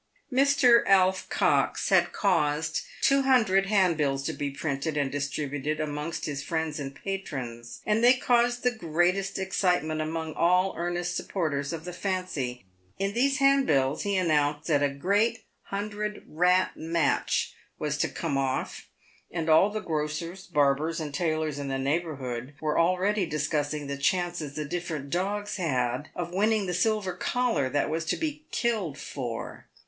Mr. Alf Cox had caused two hundred handbills to be printed and distributed amongst his friends and patrons, and they caused the greatest excitement among all earnest supporters of the fancy. In these handbills he announced that a "great hundred rat match" was 150 PAVED WITH GOLD. to come off, and all the grocers, barbers, and tailors in the neighbour hood were already discussing the chances the different dogs had of winning the silver collar that was to be "killed for."